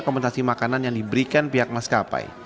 kompensasi makanan yang diberikan pihak maskapai